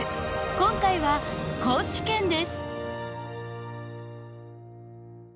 今回は高知県です。